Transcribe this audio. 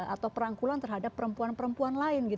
atau perangkulan terhadap perempuan perempuan lain